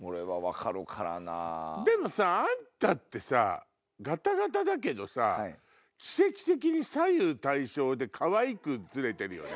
でもさあんたってガタガタだけどさ奇跡的に左右対称でかわいく映れてるよね。